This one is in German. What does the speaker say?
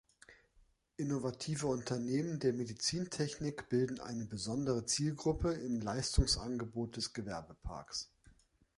Innovative Unternehmen der Medizintechnik bilden eine besondere Zielgruppe im Leistungsangebot des Gewerbeparks.